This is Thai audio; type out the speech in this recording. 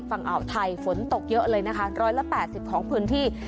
ฝั่งอ่าวไทยฝนตกเยอะเลยนะคะร้อยละแปดสิบของพื้นที่